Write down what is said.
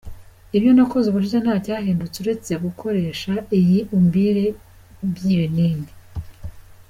Ibyo nakoze ubushize ntacyahindutse uretse gukoresha iyi umbire by’ibinini.